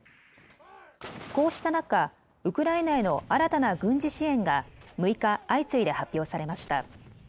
こうした中、ウクライナへの新たな軍事支援が６日、相次いで発表されました。